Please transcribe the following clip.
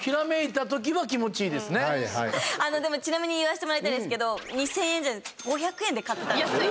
ちなみに言わせてもらいたいですけど２０００円じゃなくて５００円で買ってたんですよ。